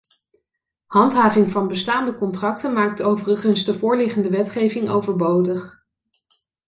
Handhaving van bestaande contracten maakt overigens de voorliggende wetgeving overbodig.